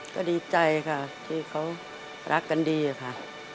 ก็ดีใจค่ะที่เขารักกันดีค่ะ